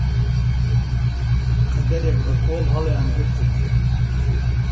قەدەرێک بە کۆڵ هەڵیانگرتم